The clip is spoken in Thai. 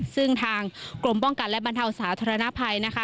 ซึ่งทางกรมป้องกันและบรรเทาสาธารณภัยนะคะ